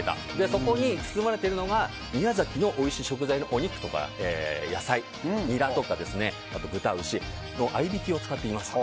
そこに包まれているのが、宮崎のおいしい食材のお肉とか野菜ニラとか豚、牛の合いびきを使っています。